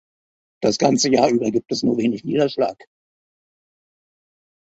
Das ganze Jahr über gibt es nur wenig Niederschlag.